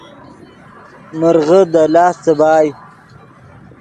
مرغے دے لاست څیبائے